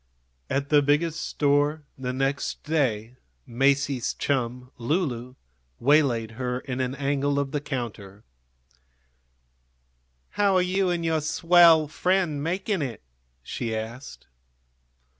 At the Biggest Store the next day Masie's chum, Lulu, waylaid her in an angle of the counter. "How are you and your swell friend making it? she asked.